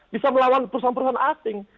bisa melawan perusahaan perusahaan asing